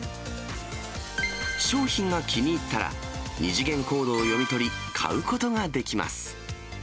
商品が気に入ったら、２次元コードを読み取り、買うことができます。